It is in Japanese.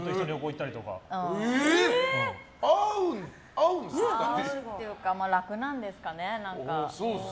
合うっていうか楽なんですかね、何か。